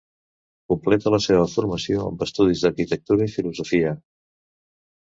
Completa la seva formació amb estudis d'arquitectura i filosofia.